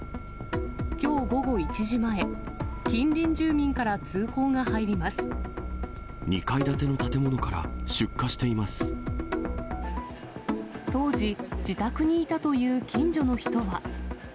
きょう午後１時前、２階建ての建物から出火して当時、自宅にいたという近所の人は。